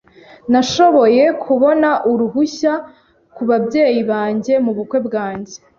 Nashoboye kubona uruhushya kubabyeyi banjye mubukwe bwanjye.